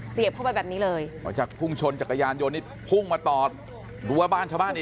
เสียบเข้าไปแบบนี้เลยจากพุ่งชนจากกระยานโยนนี้พุ่งมาต่อรั้วบ้านชาวบ้านอีก